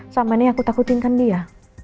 sama ini aku takutinkan dia